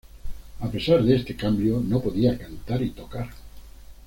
A pesar de este cambio, no podía cantar y tocar.